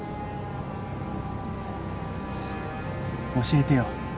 教えてよ。